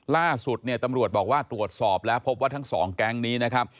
ล่าสุดเนี่ยตำรวจบอกว่าตรวจสอบแล้วพบว่าทั้งสองแก๊งนี้นะครับ